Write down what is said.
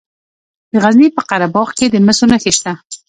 د غزني په قره باغ کې د مسو نښې شته.